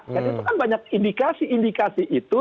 kan itu kan banyak indikasi indikasi itu